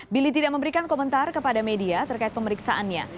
billy tidak memberikan komentar kepada media terkait pemeriksaannya